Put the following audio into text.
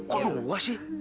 kok lu buah sih